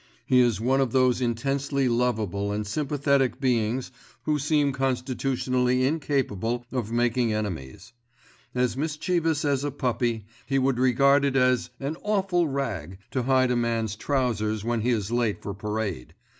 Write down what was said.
He is one of those intensely lovable and sympathetic beings who seem constitutionally incapable of making enemies. As mischievous as a puppy, he would regard it as an "awful rag" to hide a man's trousers when he is late for parade.